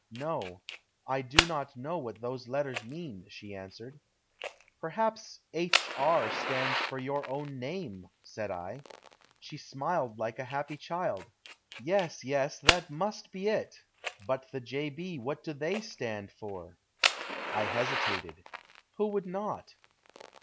"No. I do not know what those letters mean," she answered. "Perhaps 'H. R.' stands for your own name," said I. She smiled like a happy child. "Yes, yes. That must be it. But the 'J. B.,' what do they stand for?" I hesitated who would not?